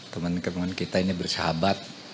teman teman kita ini bersahabat